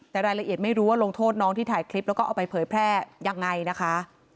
แต่รายละเอียดไม่รู้ว่าลงโทษน้องที่ถ่ายคลิปแล้วก็เอาไปเผยแพร่ยังไงนะคะ